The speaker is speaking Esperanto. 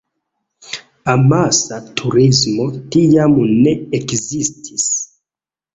Amasa turismo tiam ne ekzistis.